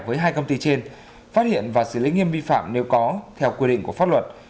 với hai công ty trên phát hiện và xử lý nghiêm vi phạm nếu có theo quy định của pháp luật